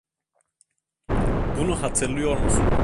Bunu hatırlıyor musun?